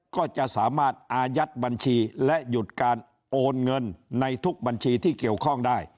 ก็จะสามารถอายัดบัญชีและหยุดการโอนเงินในทุกบัญชีที่เกี่ยวข้องได้